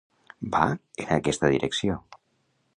Va en aquesta direcció.